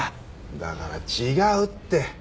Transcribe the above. だから違うって！